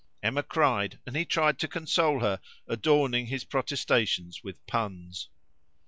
Emma cried, and he tried to console her, adorning his protestations with puns.